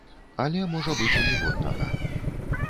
Але можа быць і ніводнага.